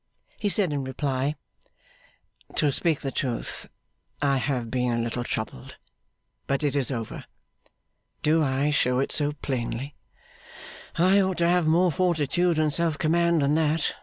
He said in reply: 'To speak the truth, I have been a little troubled, but it is over. Do I show it so plainly? I ought to have more fortitude and self command than that.